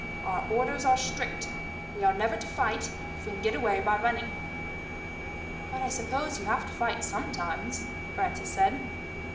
Our orders are strict. We are never to fight if we can get away by running." "But I suppose you have to fight sometimes?" Francis asked.